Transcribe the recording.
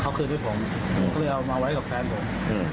เขาคืนให้ผมผมก็เลยเอามาไว้กับแฟนผม